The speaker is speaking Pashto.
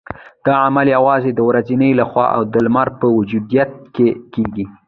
دا عمل یوازې د ورځې لخوا د لمر په موجودیت کې کیږي